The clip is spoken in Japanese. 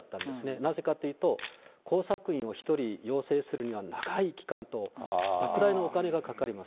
なぜかというと、工作員を１人養成するのに、長い期間とばく大なお金がかかります。